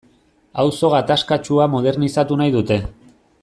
Auzo gatazkatsua modernizatu nahi dute.